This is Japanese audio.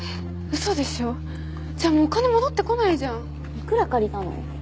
いくら借りたの？